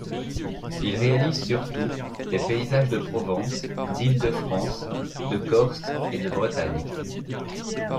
Il réalise surtout des paysages de Provence, d'Île-de-France, de Corse et de Bretagne.